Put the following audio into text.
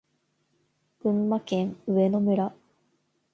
群馬県上野村